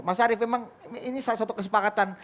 mas arief memang ini salah satu kesepakatan